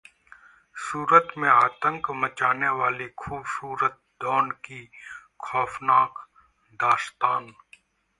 सूरत में आतंक मचाने वाली खूबसूरत डॉन की खौफनाक दास्तान!